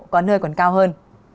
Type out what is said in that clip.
có nơi còn cao hơn